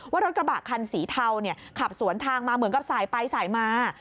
ว่ารถกระบะคันสีเทาขับสวนทางมาเหมือนกับสายไปสายมา